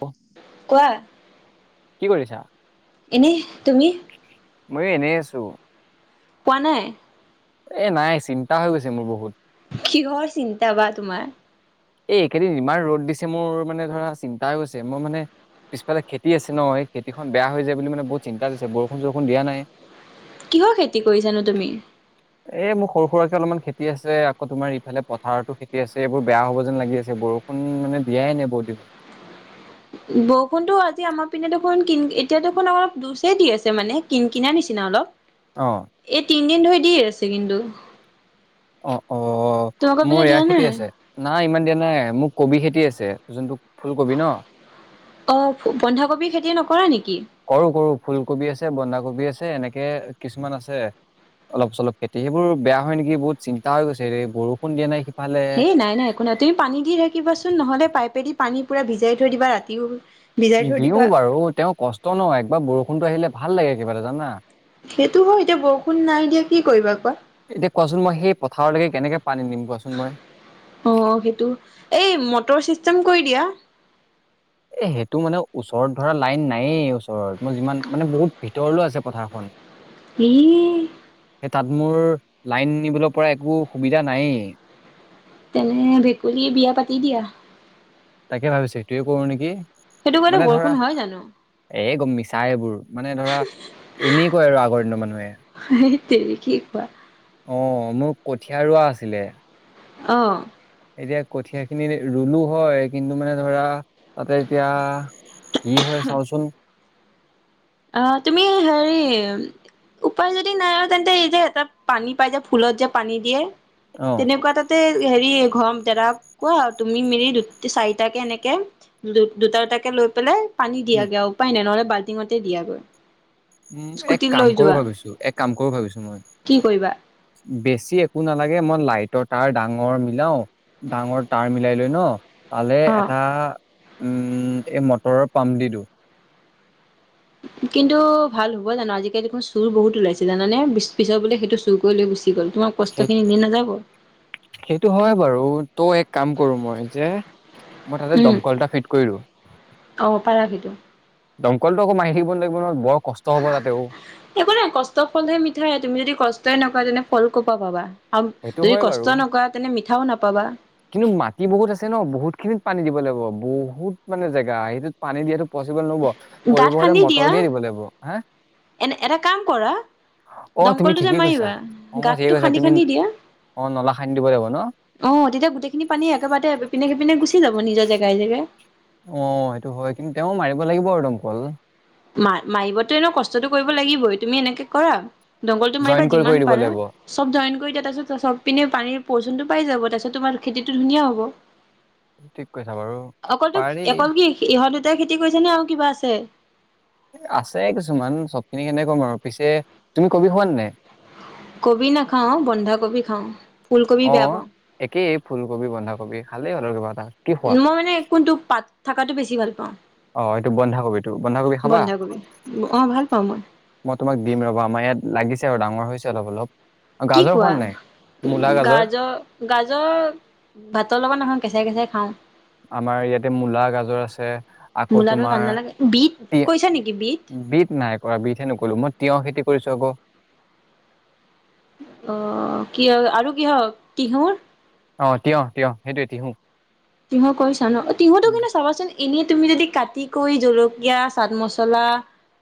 অ, কোৱা? কি কৰিছা? এনেই তুমি? ময়ো এনেই আছো। পোৱা নাই? এ নাই চিন্তা হৈ গৈছে মোৰ বহুত। কিহৰ চিন্তা বাা তোমাৰ? এইকেইদিন ইমান ৰ'দ দিছে মোৰ মানে ধৰা চিন্তাই গৈছে মোৰ মানে পিছাফালে খেতি আছে ন খেতিখন বেয়া হৈ যায় বুলি মানে বহুত চিন্তা দিছে বৰষুণ বৰষুণ দিয়া নাই। কিহৰ খেতি কৰিছানো তুমি? এ মোৰ সৰু সুৰাকে অলপমান খেতি আছে আকৌ তোমাৰ ইফালে পথাৰতো খেতি আছে এইবোৰ বেয়া হ'ব যেন লাগি আছে বৰষুণ মানে দিয়াই নাই বহু দিন বৰষুণতো আজি আমাৰ পিনে দেখোন কিন এতিয়া দেখোন আমাৰ জুৰ চে দি আছে মানে কিন কিনা নিচিনা অলপ। অ। এই তিনদিন ধৰি দিয়ে আছে কিন্তু অ', অ', তোমালোকৰ মোৰ পিনে এয়া দিয়া খেতি নাই? আছে। নাই ইমান দিয়া নাই মোৰ কবি খেতি আছে যোনটো ফুলকবি ন অঁ, বন্ধাকবি খেতি নকৰা নেকি? কৰো কৰো ফুলকবি আছে বন্ধাকবি আছে এনেকে কিছুমান আছে। অলপ চলপ খেতি সেইবোৰ বেয়া হয় নেকি বহুত চিন্তা গৈছে ৰে বৰষুণ দিয়া নাই সিফালে হেই নাই নাই একো নাই তুমি পানী দি থাকিবাচোন নহলে পাইপেদি পানী পুৰা ভিজাই থৈ দিবা ৰাতিও ভিজাই থৈ দিওঁ দিবা বাৰু তেওঁ কষ্ট নহ একবাৰ বৰষুণতটো আহিলে ভাল লাগে কিবা এটা জানা সেইটো হয় এতিয়া বৰষুণ নাই দিয়া কি কৰিবা কোৱা এতিয়া কোৱাচোন মই সেই পথাৰলৈকে কেনেকে পানী নিম কোৱাচোন মই। অ, সেইটো এই মটৰ চিষ্টেম কৰি দিয়া। এ সেইটো মানে ওচৰত ধৰা লাইন নায়েই ওচৰত মই যিমান মানে বহুত ভিতৰলৈ আছে পথাৰখন। [inaudible] এই সে তাত মোৰ লাইন নিবলৈ পৰা একো সুবিধা নাই তেনে ভেকুলীয়ে বিয়া পাতি দিয়া। তাকে ভাবিছোঁ সেইটোৱে কৰো নেকি সেইটো কৰিলে মানে ধৰা বৰষুণ হয় জানো? এ গম মিছা এইবোৰ মানে ধৰা এনে কয় আৰু আগৰ দিনৰ মানুহে। হেই তেৰি কি কোৱা? অ', মোৰ কঠীয়া ৰোৱা আছিলে। অ'। এতিয়া কঠীয়া খিনি ৰুলো হয়, কিন্তু মানে ধৰা। তাতে এতিয়া কি হয় চাওঁচোন। অ', তুমি হেৰি। উপায় যদি নাই আৰু তেন্তে এই যে, এটা পানী পাই যে ফুলত যে পানী দিয়ে অ তেনেকুৱা এটাত। তেই হেৰি ঘৰম দাদৱক কোৱা তুমি মিলি দুটি, চাৰিটাকে এনেকে। দু- দুটা, দুটাকে লৈ পেলাই পানী দিয়াগে আৰু উপায় নাই নহ'লে বাল্টিঙতে দিয়া গৈ। উম', এক কাম কৰো ভাবিছো, এক কাম কৰো ভাবিছো মই। কি কৰিবা বেছি একো নালাগে মই লাইটৰ তাঁৰ ডাঙৰ মিলাওঁ। ডাঙৰ তাঁৰ মিলাই লৈ ন। তালে অ এটা উম, এই মটৰৰ পাম্প দি দিওঁ। কিন্তু ভাল হ'ব জানো, আজিকালি দেখোন চুৰ বহুত ওলাইছে জানানে বি- পিছৰ বোলে সেইটো চুৰ। গৈ, লৈ গুচি গ'ল তোমাৰ সেই কষ্টখিনি এনেই নাযাব। সেইটো হয় বাৰু ত' এক কাম কৰো মই যে! মই তাতে উম দমকলএটা ফিট কৰিলো। অ পাৰা সেইটো দমকলটো আকৌ মাৰি থাকিব নাগিব নহয় বৰ কষ্ট হব তাতেওঁ একো নাই কষ্টৰ ফলহে মিঠাই, তুমি যদি কষ্টই নকৰা তেনে ফল ক'ৰ পৰা পাবা। হাম সেইটো যদি হয় বাৰু কষ্ট নকৰা তেনে মিঠাও নাপাবা। কিন্তু মাটি বহুত আছে ন, বহুত খিনিত পানী দিব লাগিব, বহুত মানে জেগা সেইটোত পানী দিয়াটো পচিবল নহ'ব গাঁত কৰিব হ'লে খান্দি মটৰ দিয়া দিয়ে দিব লাগিব হা। এনে এটা কাম কৰা? অ', তুমি দমকলটো যে ঠিকেই কৈছা, মাৰিবা অ' ঠিকেই গাঁতটো কৈছা খান্দি তুমি, খান্দি দিয়া অ' নলা খান্দি দিব লাগিব ন। অ', তেতিয়া গোটেইখিনি পানী একেবাৰতে এপিনে-সেপিনে গুচি যাব নিজৰ জেগাই, জেগাই। অ', সেইটো হয় কিন্তু তেওঁ মাৰিব লাগিব আৰু দমকল। মাৰ- মাৰিবতো এনেও কষ্টতটো কৰিব লাগিবই তুমি এনেকে কৰা দংগলটো জইন মাৰিবা কৰি কৰি যিমান দিব পাৰা। লাগিব চব ঝইন কৰি দিয়া তাৰ পিছত চবপিনে পানীৰ প্ৰৰচুনটো পাই যাব তাৰ পিছত তোমাৰ খেতিটো ধুনীয়া হ'ব। ঠিক কৈছা বাৰু অকলতোক- পাৰি অকল কি ইহঁত দুটাই খেতি কৰিছে নে আৰু কিবা আছে? আছে কিছুমান চবখিনি কেনেকে কম আৰু পিছে তুমি কবি খোৱ নে নাই? কবি নাখাওঁ, বন্ধাকবি খাওঁ। ফুলকবি বেয়া অ', পাওঁ একেই ফুলকবি, বন্ধাকবি খালেই হ'ল আৰু কিবা এটা। কি খোৱা মই মানে কোনটো পাত থাকাটো বেছি ভাল পাওঁ। অ', এইটো বত বন্ধাকবি অ' ভাল পাওঁ মই। মই তোমাক দিম ৰবা, আমাৰ ইয়াত লাগিছে আৰু ডাঙৰ হৈছে অলপ, অলপ কি গাজৰ কোৱা সোৱাদ নে নাই? গাজৰ, গাজৰ ভাতৰ লগত নাখাওঁ, কেঁচাই, কেচাই খাওঁ। আমাৰ ইয়াতে মূলা, গাজৰ আছে আকৌ মূলাটো ভাল তোমাৰ নালাগে বিট তি কৈছা নেকি বিট বিট নাই কৰা বিট হে, নকৰিলো মই তিয়হ খেতি কৰিছো আকৌ। অ', কিয় আৰু কিহৰ তিহুৰ। অ', তিয়হ, তিয়হ সেইটোৱে তিহু। তিহু কৰিচা ন, অ' তিহুটো কিন্তু চাবাচোন। এনেই তুমি যদি কাটি কৰি জলকীয়া, চাট মচলা,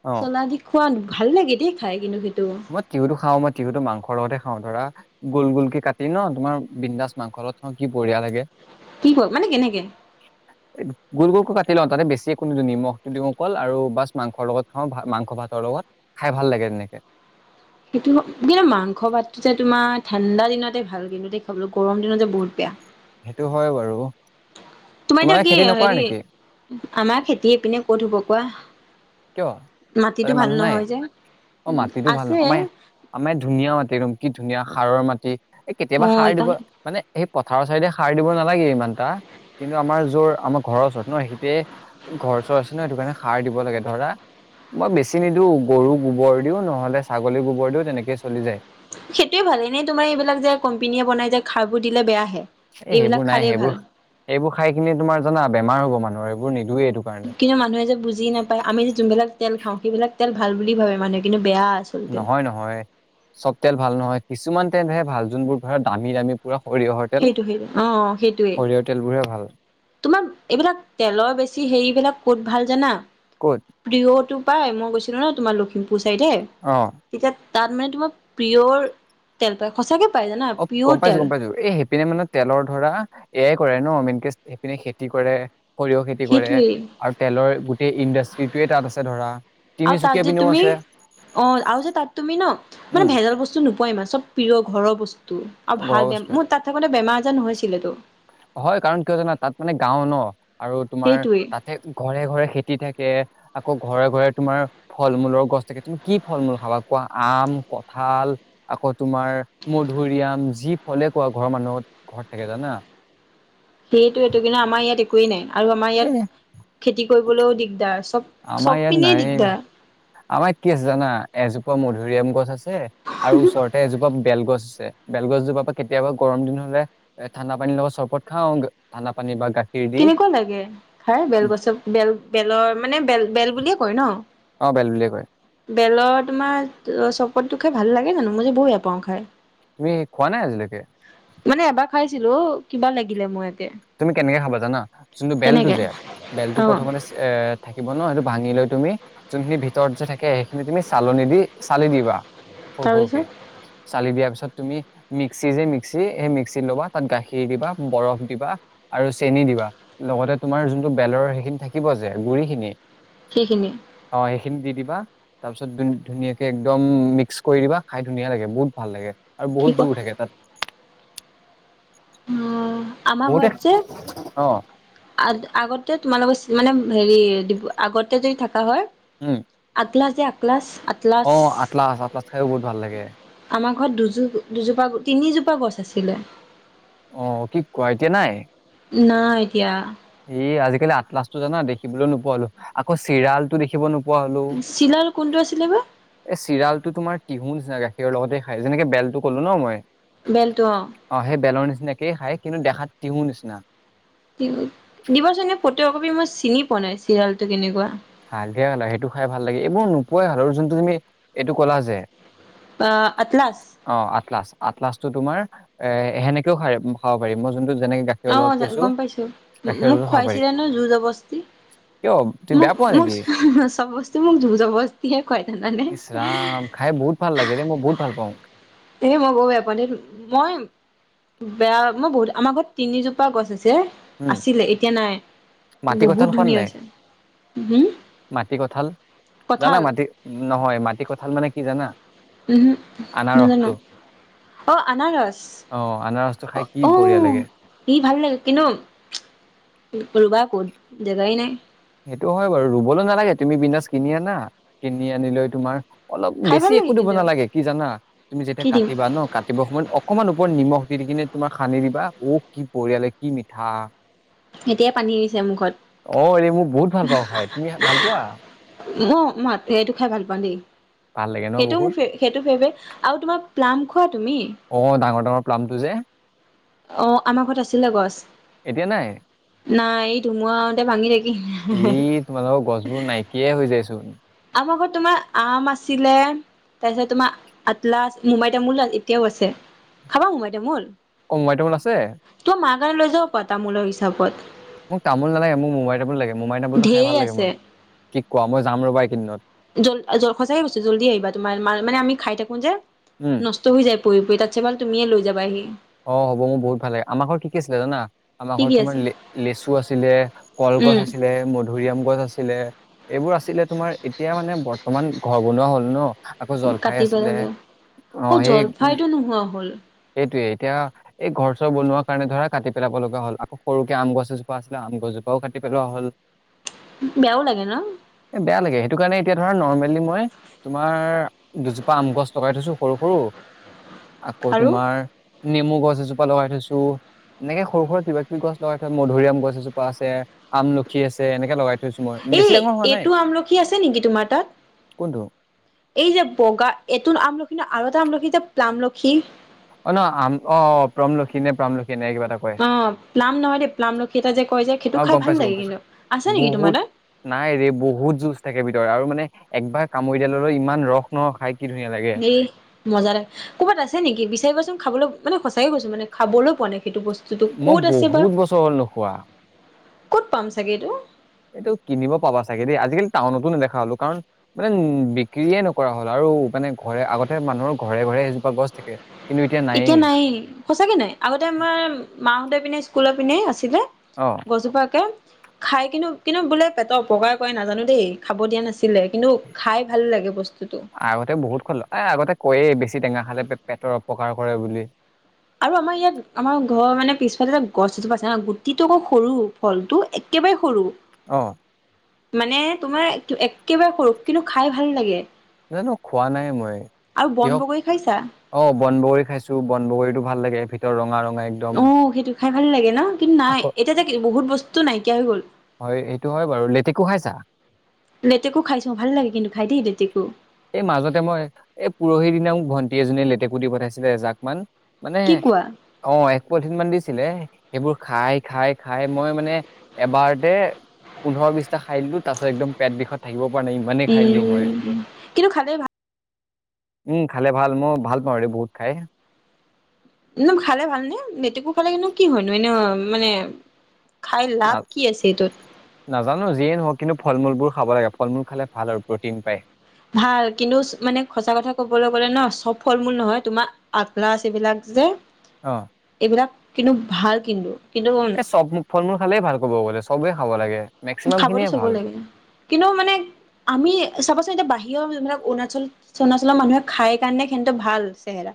অ চলা দি খোৱাত ভাল লাগে দেই খাই কিন্তু সেইটো। মই তিহুতো খাওঁ, মই তিহুটো মাংস লগতে খাওঁ ধৰা। গোল, গোলকে কাটি ন তোমাৰ বিন্দাছ মাংস লগত খাওঁ কি বহিয়া লাগে। কি কয় মানে কেনেকে? [inaudible] গোল, গোল কৈ কাটি লওঁ তাতে বেছি একো নিদিও নিমখটো দিও অকল, আৰু বাছ মাংসৰ লগত খাওঁ, মাংস ভাতৰ লগত। খাই ভাল লাগে তেনেকে। সেইটো কিন্তু মাংস ভাতটো যে তোমাৰ ঠাণ্ডা দিনতে ভাল কিন্তু খাবলৈ গৰম দিনততে বহুত বেয়া। সেইটো হয় বাৰু। তোমাৰ এতিয়া তোমালোকে কি খেতি নকৰা হেৰি নেকি আমাৰ খেতিয়ে পিনে ক'ত হ'ব কোৱা। কিয় তাতে মাটিতটো ভাল মানুহ নাই নহয় যে। অ', উম মাটিতটো ভাল ন আছে আমাই আমাৰ ধুনীয়া মাটি একদম কি ধুনীয়া সাৰুৱা মাটি। এই অ কেতিয়াবা সাৰ দিব এইকাৰণে মানে সেই পথাৰৰ চাইডে সাৰ দিব নালাগে ইমান এটা কিন্তু আমাৰ যোৰ আমাৰ ঘৰৰ ওচৰত ন সিতেয় ঘৰ চৰ আছে ন সেইটো কাৰণে সাৰ দিব লাগে ধৰা মই বেছি নিদিও গৰুক গোবৰ দিও নহলে ছাগলী গোবৰ দিও তেনেকে চলি যায়। সেইটোৱে ভাল এনেই তোমাৰ এইবিলাক যে কোম্পেনীয়ে বনাই যে খাৰ বোৰ দিলে বেয়াহে এ সেইবোৰ এইবিলাক নাই খাৰেই সেইবোৰ ভাল। এইবোৰ খাই খিনি তোমাৰ জানা বেমাৰ হ'ব মানুহৰ এইবোৰ নিদওঁৱেই এইটো কাৰণে। কিন্তু মানুহে যে বুজি নাপায় আমি যে যোনবিলাক তেল খাওঁ সেইবিলাক তেল ভাল বুলি ভাবে মানুহে কিন্তু বেয়া আছে। নহয়, নহয়। চ'ব তেল ভাল নহয় কিছুমান তেলহে ভাল যোনবোৰ ধৰা দামী দামী পুৰা সৰিয়হৰ। তেল সেইটো সেইটো অ', সেইটোৱেই। সৰিয়হৰ তেলবোৰহে ভাল তোমাৰ এইবিলাক তেলৰ বেছি হেৰিবিলাক ক'ত ভাল জানা ক'ত প্ৰিয়টো পায় মই গৈছিলো ন তোমাৰ লখিমপুৰ ছাইডহে অ'। তেতিয়া তাত মানে তোমাৰ প্ৰিঅ'ৰ তেল পাই সঁচাকে পায় জানা। অ', গম পাইছো, তেল গম পাইছো। এই সেইপিনে মানে তেলৰ ধৰা এয়াই কৰে ন মেনকে সেইপিনে খেতি কৰে। সৰিয়হ খেতি কৰে সেইটোৱেই আৰু তেলৰ গোটেই ইণ্ডাষ্ট্ৰিটোৱে তাত আছে ধৰা। আৰু তাত তিনিচুকীয়া যে পিনেও তুমি আছে অ আৰু যে তাত তুমি ন মানে উম ভেজাল বস্তু নোপোৱা ইমান চ'ব প্ৰিয় ঘৰৰ বস্তু আৰু ঘৰৰ ভাল বে বস্তুৱে মোৰ তাত থাকোতে বেমাৰ আজাৰ নহৈছিলেতো। হয় কাৰণ কিয় জানা তাত মানে গাওঁ ন আৰু তোমাৰ সেইটোৱে তাত ঘৰে, ঘৰে খেতি থাকে আকৌ ঘৰে, ঘৰে তোমাৰ ফল- মূলৰ গছ থাকে তুমি কি ফল- মূল খাবা কোৱা আম, কঁঠাল আকৌ তোমাৰ মধুৰিআম যি ফলে কোৱা ঘৰৰ মানুহত ঘৰত থাকে জানা। সেইটোৱেটো এইটো কিন্তু আমাৰ ইয়াত একোৱেই নাই আৰু আমাৰ এ ইয়াত খেতি কৰিবলৈও দিগদাৰ চব আমাৰ চব ইয়াত পিনে নাইয়ে দিগদাৰ। আমাৰ কি আছে জানা এজোপা মধুৰিআম গছ আছে আৰু ওচৰতে এজোপা বেল গছ আছে বেলগছজোপাৰ পৰা কেতিয়াবা গৰম দিন হলে এ' ঠাণ্ডাানীৰ লগত চৰবত খাওঁ ঠাণ্ডা পানী বা গাখীৰ দি কেনেকুৱা লাগে খাই বেলগছৰ বেল বেলৰ মানে বেল বেল বুলিয়ে কয় ন। অ', বেল বুলিয়ে কয়। বেলৰ তোমাৰ চৰবতটো খাই ভাল লাগে জানো মই যে বহু বেয়া পাওঁ খাই। তুমি খোৱা নাই আজিলৈকে? মানে এবাৰ খাইছিলো কিবা লাগিলে মোৰ একে। তুমি কেনেকে খাবা জানা যোনটো বেলটো তেনেকে যে বেলটো অ প্ৰথমতে এ' থাকিব ন সেইটো ভাঙি লৈ তুমি যোনখিনি ভিতৰত যে থাকে সেইখিনি তুমি চালনি দি চালি দিবা সৰু সৰুকে। তাৰপিছত চালি দিয়াৰ পিছত তুমি মিক্সি যে মিক্সি সেই মিক্সিত ল'বা তাত গাখীৰ দিবা, বৰফ দিবা আৰু চেনি দিবা লগতে তোমাৰ যোনটো বেলৰৰ সেইখিনি থাকিব যে গুৰি খিনি সেইখিনিয়ে অ, সেইখিনি দি দিবা। তাৰপিছত ধুনীয়াকে একদম মিক্স কৰি দিবা খাই ধুনীয়া লাগে বহুত ভাল লাগে। আৰু কি বহুত ক জোৰ থাকে তাত। উম, আমাৰ বহুতে ঘৰত যে অ আগতে তোমালোকৰ মানে হেৰি আগতে যদি থাকা হয়-। উম। আগলাছ যে আগলাছ অ, আটলাচ, আটলাচ খাইয়ো বহুত ভাল লাগে। আমাৰ ঘৰত দুযো-দুজোপা, তিনিজোপা গছ আছিলে। অ, কি কোৱা এতিয়া নাই। নাই এতিয়া। এই আজিকালি আটলাছ টো জানা দেখিবলৈ নোপোৱালো আকৌ চিৰাল টো দেখিব নো চিলাৰ কোনটো আছিলে বা এ, চিৰালটো তোমাৰ টহুৰ নিচিনা গাখীৰৰ লগতে খাই যেনেকে বেলটো ক'লো ন মই বেলতটো অ'। অ, সেই বেলৰ নিচিনাকেই খাই কিন্তু দেখাত তিহৰ নিচিনা দিবচোন ফটো কপি মই চিনি পোৱা নাই চিৰিয়টো কেনেকুৱা হালধিয়া হাল আৰু সেইটো খাই ভাল লাগে। এইবোৰ নোপোৱাই হালো আৰু যোনটো তুমি এইটো কলা যে অ, আটলছ অ, আটলাচ, আটলাচ টো তোমাৰ এ সেনেকেও খ-খাব পাৰিম মই যোনটো যেনেকে গাখীৰ অ, গম পাইছো মোক পাৰি। খুৱাইছিলে ন যুজৰ বস্তি কিয় তুমি বেয়া মোক পোৱা নেকি? মোৰচব বস্তি মোক ধুজ বস্তিহে খুৱাই থানানে। ই্ৰাম খাই বহুত ভাল লাগে দে মই বহুত ভাল পাওঁ। এ, মই বৌ বেয়া পাওঁ দে। বেয়া মই বহুত আমাৰ ঘৰত তিনিজোপা গছ আছে। উম, আছিলে এতিয়া নাই মাটি কঁঠাল বহুত খোৱা নে ধুনীয়া নাই? হৈছে। হম মাটি কঠাল জানা কঁঠাল মাটি নহয় মাটি কঠাল মানে কি জানা উম, নাজানো। আনাৰসটো অহ, আনাৰস অ', আনাৰসটো খাই কি উ বঢ়িয়া লাগে। সি ভাল লাগে কিনো ৰুবা ক'ত জেগাই নাই। সেইটো হয় বাৰু, ৰুবলৈ নালাগে তুমি পিনাজ কিনি আনা কিনি আনি লৈ তোমাৰ অলপ খাই ভাল বেছি লাগে একো দিব কিন্তু নালাগে কি জানা তুমি কি যেতিয়া দিম কাটিবা ন কাটিবৰ সময়ত অকণমান ওপৰত নিমখ দি, দি কিনে তোমাৰ সানি দিবা আকো কি বঢ়িয়া লাগে কি মিঠা। এতিয়াই পানী আহিছে মুখত। অ, এই মোৰ বহুত ভাল পাওঁ খাই তুমি ভাল পোৱা ম-মাত এইটো খাই ভাল পাওঁ দেই। ভাল লাগে ন সেইটো বহুত মোৰ সেইটো ফেভৰেট আৰু তোমাৰ প্লাম খোৱা তুমি? অ, ডাঙৰ, ডাঙৰ প্লাম্পটো যে অ, আমাৰ ঘৰত আছিলে এতিয়া নাই গছ নাই এই ধুমুহাঁতে ভাঙি ই থাকিল। [inaudible] তোমালোকৰ গছবোৰ নাইকিয়াই হৈ যাইছো। আম, আগৰত তোমাৰ আম আছিলে। তাৰপিছত তোমাৰ আটলা মুমাই তামোল এতিয়াও আছে খাবা মুমাই তামোল? অমবাইটামান আছে। তই মাৰ গাৰ লৈ যাব প তামোলৰ হিচাপত মোক তামোল নালাগে মোকোই টাবো লাগে মোমাই তামুলটো খাই ঢেৰ ভাল লাগে। আছে মোৰ কি ক মই যাম ৰ'বা এইকেইদিনত। জল-জ সচাইে গৈছ জল্দি আহিবা তোমাৰ মানে আমি খাই থাকো যে উম ন হৈ যায় পৰি, পৰি তাত চ মাল তুমিয়ে লৈ যাবাহি। অ, হবোৰহুত ভালাগে আমাৰ ঘৰ কি, কি আছিলে জানা। আমাৰ কি ঘৰত কি তোমাৰ আছে লেচু আছিলে, কলগছ উম আছিলে। মধুৰিআম গছ আছিলে, এইবোৰ আছিলে তোমাৰ এতিয়া মানে বৰ্তমান ঘৰ বনোৱা হ'ল ন! আকৌ জলফাই কাটি আছিলে, পেলালে অ', জলফাইটো নোহোৱা হ'ল সেই-সেইটোৱে এতিয়া এই ঘৰ চৰ বনোৱাৰ কাৰণে ধৰা কাটি পেলাব লগা হ'ল। আকৌ সৰুকে আম গছ এজোপা আছিলে, আম গছজোপাও কাটি পেলোৱা হ'ল। বেয়াও লাগে ন! এ, বেয়া লাগে! সেইটো কাৰণে এতিয়া ধৰা নৰ্মেলি মই তোমাৰ দুজোপা আম গছ লগাই থৈছোঁ সৰু, সৰু! আকৌ আৰু তোমাৰ নেমু গছ এজোপা লগাই থৈছোঁ। এনেকে সৰু সুৰা কিবা কিবি গছ লগাই থৈ মধুৰিআম গছ এজোপা আছে, আমলখি আছে এনেকে লগাই থ থৈছোঁ মই। এই বেছি ডাঙৰ হোৱা এইটো নাই! আমলখি আছে নেকি তোমাৰ তাত কোনটো? এই যে বগা এটো আমলখি ন আৰু এটা আমলখি যে প্লামলখি? অ', ন অ', প্ৰমলখি নে প্ৰমলখি এনেকে কিবা এটা কয়। অ', প্লাম নহয় দে প্লামলখি এটা যে কয় যে সেইটো অ খাই ভাল লাগে কিন্তু আছে নেকি তোমাৰ তাত? নাইৰে বহুত জোচ থাকে ভিতৰত আৰু মানে একবাৰ কামুৰি দিয়া লগে, লগে ইমান ৰস নহ খাই কি ধুনীয়া লাগে! মজা লাগে, ক'ৰবাত আছে নেকি বিচাৰিবাচোন খাবলৈ, মানে সঁচাকে কৈছোঁ মানে খাবলৈ পোৱা নাই সেইটো বস্তু। মই বহুত বছৰ হ'ল নোখোৱা। ক'ত পাম চাগে এইটো? এইটো কিনিব পাবা চাগে দে, আজিকালি টাউনত নেদেখা হ'লো কাৰণ মানে উম, বিক্ৰীয়ে নকৰা হ'ল আৰু মানে ঘৰে আগতে মানুহৰ ঘৰে, ঘৰে এজোপা গছ থাকে। কিন্তু নায়েই এতিয়া নাইয়ে সঁচাকে নাই। আগতে আমাৰ মাহঁতে পিনে স্কুলৰ পিনে আছিলে। অ গছজোপা একে খাই কিন্তু, কিন্তু বোলে পেটৰ অপকাৰ কৰে নাজানো দেই খাব দিয়া নাছি লে কিন্তু খাই ভাল লাগে বস্তুটো। আগতে বহুত খালোঁ। এ, আগতে কয়েই বেছি টেঙা খালে পে-পেটৰ অপকাৰ কৰে বুলি। আৰু আমাৰ ইয়াত আমাৰ ঘৰৰ মানে পিছফালেএটা গছ এজোপা আছে হা' গুটিটো আকৌ সৰু ফলটো একেবাৰে সৰু। অ'। মানে তোমাৰ একেবাৰে সৰু কিন্তু খাই ভাল লাগে। জানো খোৱা নাই মই, আৰু বন কিয় বগৰী খাইছা অ', বন বগৰী খাইছোঁ, বন বগৰীতো ভাল লাগে। ভিতৰত ৰঙা, ৰঙা একদম অ', সেইটো খাই ভাল লাগে ন, কিন্তু নাই আকৌ এতিয়া যে বহুত বস্তু নাইকিয়া হৈ গ'ল। হয়, সেইটো হয়, বাৰু। লেটকো খাইছা? লেতেকু খাইছোঁ। ভাল লাগে কিন্তু খাই দেই লেতেকু। এই মাজতে মই এই পৰহি দিনা মোক ভণ্টি এজনীয়ে, লেটেকু দি পঠাইছিলে এজাক মান- মানে কি কোৱা অ', এক পলিথিন মান দিছিলে সেইবোৰ খাই, খাই, খাই মই মানে এবাৰতে পোন্ধৰ বিশটা খাই দিলোঁ, তাৰপিছত একদম পেট বিষত থাকিব পৰা নাই ই ইহ, কিন্তু খাই পেলাই ভাল উম, খালে ভাল মই ভাল পাওঁ আৰু বহুত খাই। একদম খালে ভালনে? লেতেকু খালে কিন্তু কি হয়নো এনে মানে খাই না লাভ কি আছে এইটোত? নাজানো যিয়েই নহওঁক, কিন্তু ফলমূলবোৰ খাব লাগে। ফলমূল খালে ভাল আৰু প্ৰ'টিন পায়। ভাল কিন্তু মানে সঁচা কথা ক'বলৈ গ'লে ন, চব ফলমূল নহয়, তোমাক আটলাছ এইবিলাক যে অ'। এইবিলাক কিন্তু ভাল কিন্তু, কিন্তু এই চব ফলমূল খালেইে ভাল ক'ব গ'লে চবেই খাব লাগে। মেক্সিমাম খাবতো খিনিয়ে চবেই ভাল লাগে, কিন্তু মানে আমি চাবচোন এতিয়া বাহিৰৰ যোনবিলাক অৰুণাচল অৰুণাচল মানুহে খাই কাৰণে সিঁহতৰ ভাল চেহেৰা,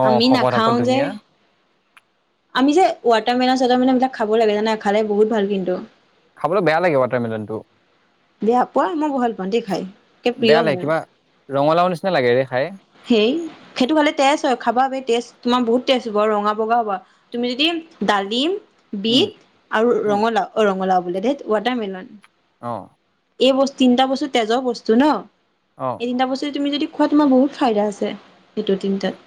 অ আমি শকত আপত নাখাওঁ যে! ধুনীয়া আমি যে ৱাটৰ মেলনচুৱাটাৰ মেলনবিলাক খাব লাগে জানা, খালে বহুত ভাল কিন্তু। খাবলে বেয়া লাগে ৱাটাৰমিলনটো। বেয়া পোৱা মই [unintelligible] ভণ্টীয়ে খাই একে প্ৰিয় বেয়া লাগে মোৰ! কিবা ৰঙালাও নিচিনা লাগে খাই! সেই সেইটো ভালে তেজ হয়! খাবা ব তেজ তোমা বহুত তেজ হ'ব আৰু ৰঙা বগা হ'ব আৰু? তুমি যদি ডালিম, উম বিট আৰু উম ৰঙালাও অ ৰঙালাও বোলে দে ৱাটাৰমেলন, অ এই বস্তু তিনিটা বস্তু তেজৰ বস্তু ন অঁ এই তিনিটা বস্তু তুমি যদি খোৱা তোমাৰ বহুত ফাইদা আছে সেইটো তিনিটাত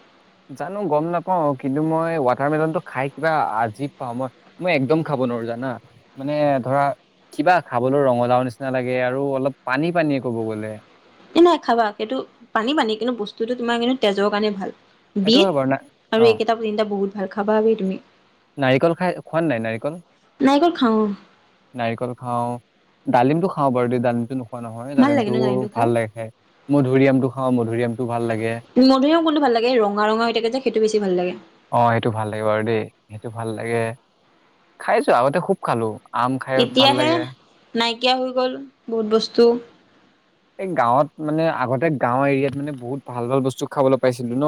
জানো গম নাপাও কিন্তু মই ৱাটাৰ মেলনতো খাই কিবা আজি পাওঁ মই মই একদম খাব নোৱাৰো জানা মানে ধৰা কিবা খাবলৈ ৰঙালাও নিচিনা লাগে আৰু অলপ পানী -পানীয়ে- কব গ'লে এ নাই খাবা সেইটো পানী -পানী -কিন্তু বস্তুটো তোমাৰ কিন্তু তেজৰ কাৰণে ভাল সেইটো বিধ হয় বাৰু না আৰু অ এইকেইটা তিনিটা বহুত ভাল খাবাি তুমি নাৰিকল খাই খোৱাত নাই নাৰিকল নাৰিকল খাওঁ নাৰিকল খাওঁ -ডালিমটো খাওঁ- বাৰু দ ডালিমটো ন োৱা নহয় ভাল লাগে তাদিমতটো ন জাৰনীটো খাই ভাল লাগে খে মধুৰিআমটো খাওঁ মধুৰিআম মধুৰিও কোনটো ভাল লাগে ৰঙা- ৰঙা- হৈ থাকে যে সেইটো বেছি ভাল লাগে অ সেইটো ভাল লাগে বাৰু দেই সেইটো ভাল লাগে খাইছো আগতে খুব খালো আম খাই ভাল এতিয়াহে লাগে নাইকিয়া হৈ গ'ল বহুত বস্তু এই গাঁৱত মানে আগতে গাঁও এৰিয়াত মানে বহুত ভাল ভাল বস্তু খাবলৈ পাইছিলো ন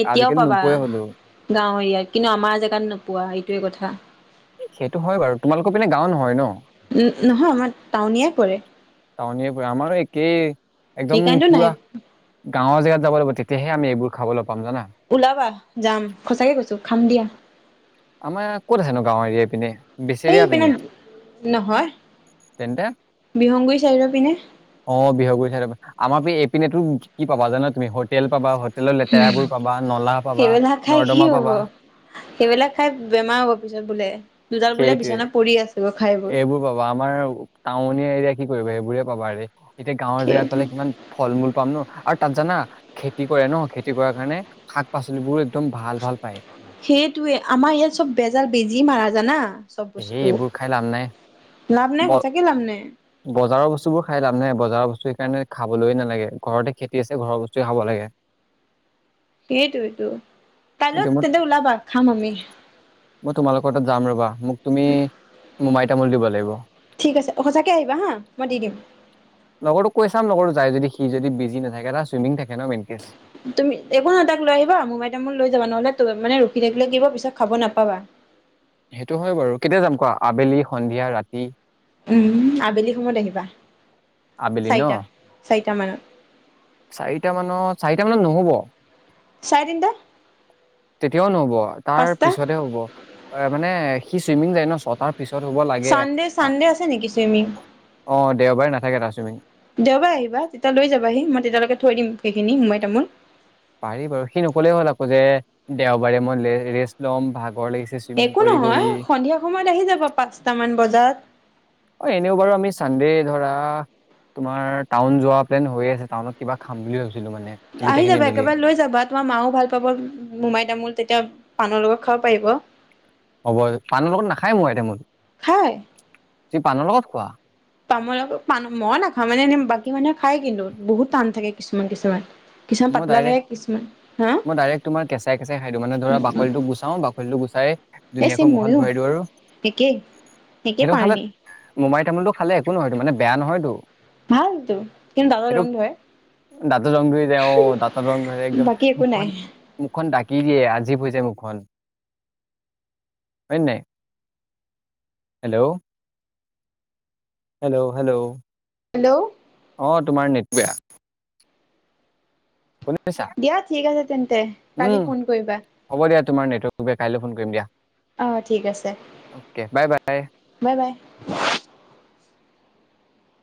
এতিয়াও আজিকালি পাবা নোপোৱাই হলো গাঁও এৰিয়াত কিন্তু আমাৰ জেগাত নোপোৱা এইটোোৱে কথা সেইটো হয় বাৰু তোমালোকৰ পিনে গাও নহয় ন উ নহয় আমাৰ টাউনিয়ে কৰে টাউন প আমাৰো একেই একদম সেইকাৰণেতো নাই পুৰা গাঁৱৰ জেগাত যাব লাগিব তেতিয়াহে আমি এইবোৰ খাবলৈ পাম জানা ওলাবা যাম সচাকে কৈছো খাম দিয়া আমাৰ ক'ত আছেনো গাঁৱৰ এৰিয়াই পিনে এইেই পিনে নহয় তেন্তে বিহংগুৰি চাইদৰ পিনে অ বিহু চাই আমাৰ এইপিনেতো কি পাব জানা তুমি হোটেল পাবা তেলৰ লেতেৰা বোৰ পাবা নলা পাবা সেইবিলাক খাই কি নৰ্দমা হ'ব পাবা সেইবিলাক খাই বেমাৰ হ'ব পিছত বোলে দুডাল বোলে সেইটোৱে বিছনা পৰি আছে গৈ খাই বৈ এইবোৰ পাবা আমাৰ টাউন এৰিয়া কি কৰিবা এইেইবোৰে পাবা আৰু এতিয়া গাঁৱৰ জেগাত সেইটো পালে কিমান ফল মূল পাম ন আৰু তাত জানা খেতি কৰে ন খেতি কৰাৰ কাৰণে শাক পাচলিবোৰ একদম ভাল ভাল পায় সেইটোৱে আমাৰ ইয়াত চব বেজাৰ বেজি মাৰা জানা চব সেই বস্তু এইবোৰ খাই লাভ নাই লাভ ব নাই সঁচাকে লাভ নাই বজাৰৰ বস্তুবোৰ খাই লাম নে বজাৰৰ বস্তু সেই কাৰণে খাবলৈয় নালাগে ঘৰতে খেতি আছে ঘৰৰ বস্তুৱে খাব লাগে সেইটো- সেইটো এইটো -কাইলৈত মই তেন্তে ওলাবা খাম আমি মই তোমালোকৰ তাত যাম ৰবা মোক তুমি মোমাই তামোল দিব লাগিব ঠিক আছে সঁচাকে আহিবা হা মই দি দিম লগৰো কৈ চাম লগৰো যাই যদি সি যদি বিজি নাথাকে চুইমিং থাকে ন মনক তুমি একো এাকৈ আহা মো মাই তামোল লৈ যাবা নহ'লে মানে ৰখি থাকিলে কিিব পিছত খাব নাপাবা সেইটো হয় বাৰু কেতিয়া যাম কোৱা আবেলি সন্ধিয়া ৰাতি উ আবেলি সময়ত আহিবা আবেলি ন চাৰিটা -চাৰিটা -মানত চাৰিটা মানৰ -চাৰিটা মানত- নহ'ব চাইদ দা তেতিয়াও নহব তাৰ পাঁচটা পিছতে হ'ব এ মানে সি চুইমিং যায় ন চ তাৰ পিছত হ'ব লাগে চানডে চানডে আছে নেকি চুইমিং অ দেওবাৰে নাথাকে তাচমিি দেওবাৰে আহিবা তেতিয়া লৈ যাবাহি মই তেতিয়ালৈকে থৈ দিম সেইখিনি সোমাই তামো পাৰি বাৰু সি নকলেই হ'ল আকৌ যে দেওবাৰে মই ৰেষ্ট লম ভাগৰ লাগিছে চুইমিং একো কৰি নহয় কৰি সন্ধিয়া সময়ত আহি যাব পাঁচটামান বজাত। অ এনেও বাৰু আমি চানডে ধৰা তোমাৰ টাউন যোৱা প্লেন হৈয়ে আছে। টাউনত কিবা খাম বুলি ভাবিছিলো মানে। আহি গোটেইখিনি যাবা মিলি একেবাৰে লৈ যাবা। তোমাৰ মাও ভাল পাব মোমাই তামোল তেতিয়া পাণৰ লগত খাব পাৰিব। হ'ব। পাণৰ লগত নাখায় মোমাই তামোল। খাই তুমি পাণৰ লগত খোৱা? তামোলৰ লগত পাণ মই মই নাখাওঁ মানে এনে বাকী মানুহে খায় কিন্তু বহুত টান থাকে কিছুমান কিছুমান। কিছুমান মই পাতলা থাকে ডাইৰেক্ট, কিছুমান হা মই ডাইৰেক্ট তোমাৰ কেঁচাই-কেঁচাই খাই দিওঁ, মানে ধৰা বাকলিটোক গুচাওঁ বাকলিটো গুচাই এই চেম ধুনীয়াকৈ ময়ো মুখত ভৰাই দিওঁ আৰু। একেই একেই পাৰনি। মোমাই তামোল খালে একো নহয়ো, মানে বেয়া নহয়তো। ভালতো কিন্তু দাতঁত সেইটো ৰং হয়। দাঁতৰ ৰং ধৰি অ দাঁতৰ ৰং ধৰে একদম মুখখন, মুখখন ডাকি দিয়ে আজিৱ হৈ যায় মুখ খন। হয়নে নাই। হেল্ল'। হেল্ল'। হেল্ল'। হেল্ল'। অ তোমাৰ নেট বেয়া। শুনিছা দিয়া ঠিক আছে তেন্তে কালি উম ফোন কৰিবা। হ'ব দিয়া তোমাৰ নেটৱৰ্ক বেয়া কাইলৈ ফোন কৰিম দিয়া। অ ঠিক আছে। Okay bye bye bye-bye.